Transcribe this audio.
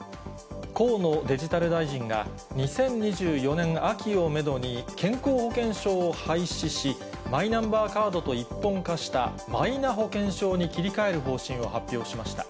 河野デジタル大臣が、２０２４年秋をめどに、健康保険証を廃止し、マイナンバーカードと一本化したマイナ保険証に切り替える方針を発表しました。